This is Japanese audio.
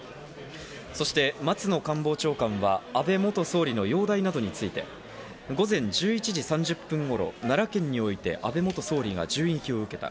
そして松野官房長官は安倍元総理の容体などについて、午前１１時３０分頃、奈良県において安倍元総理が銃撃を受けた。